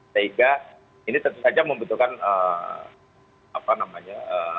sehingga ini tentu saja membutuhkan apa namanya